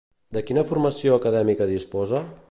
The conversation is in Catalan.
De quina formació acadèmica disposa?